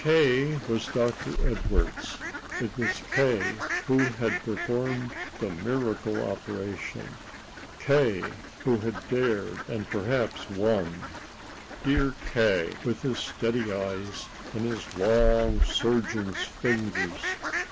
K. was Dr. Edwardes! It was K. who had performed the miracle operation K. who had dared and perhaps won! Dear K., with his steady eyes and his long surgeon's fingers!